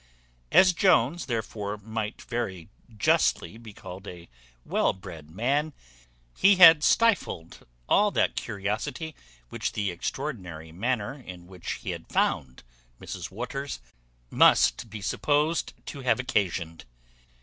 As Jones, therefore, might very justly be called a well bred man, he had stifled all that curiosity which the extraordinary manner in which he had found Mrs Waters must be supposed to have occasioned.